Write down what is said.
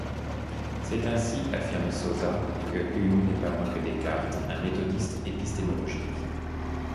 C'est ainsi, affirme Sosa, que Hume n'est pas moins que Descartes un méthodiste épistemologique.